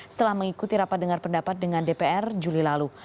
setelah mengikuti rapat dengar pendapat dengan dpr juli lalu